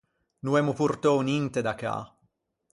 No emmo portou ninte da cà.